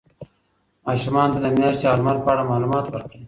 ماشومانو ته د میاشتې او لمر په اړه معلومات ورکړئ.